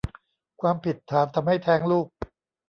ความผิดฐานทำให้แท้งลูก